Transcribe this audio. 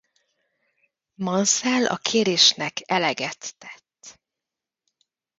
Mansell a kérésnek eleget tett.